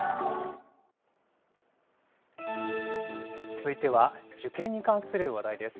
続いては受験に関する話題です。